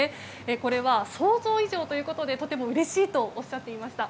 これは想像以上ということでとてもうれしいとおっしゃっていました。